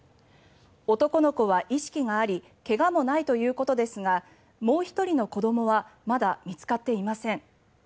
男の子は意識があり怪我もないということですがもう１人の子どもはまだ見つかっていません。